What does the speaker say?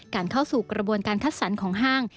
เข้าสู่กระบวนการคัดสรรของห้าง